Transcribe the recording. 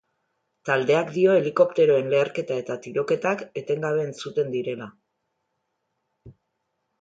Taldeak dio helikopteroen leherketa eta tiroketak etengabe entzuten direla.